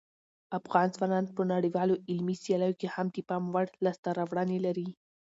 افغان ځوانان په نړیوالو علمي سیالیو کې هم د پام وړ لاسته راوړنې لري.